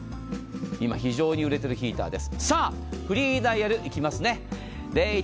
今、非常に売れているヒーターです。